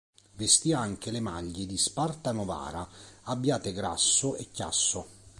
Vestì anche le maglie di Sparta Novara, Abbiategrasso e Chiasso.